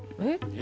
え？